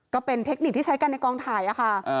ก็เป็นเทคนิคที่ใช้กันในกองถ่ายอ่ะค่ะอ่า